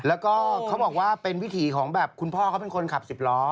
แล้วก็เขาบอกว่าเป็นวิถีของแบบคุณพ่อเขาเป็นคนขับสิบล้อ